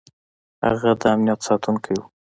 هغه د امنیت ساتونکی و.